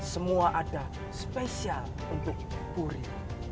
semua ada spesial untuk puri